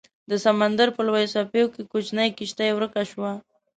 د سمندر په لویو څپو کې کوچنۍ کیشتي ورکه شوه